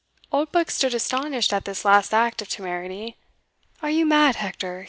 Oldbuck stood astonished at this last act of temerity, "are you mad, Hector?"